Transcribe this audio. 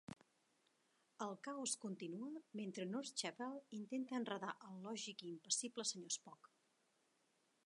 El caos continua mentre Nurse Chapel intenta enredar al lògic i impassible senyor Spock.